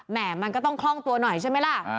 มันก็ต้องคล่องตัวหน่อยใช่ไหมล่ะ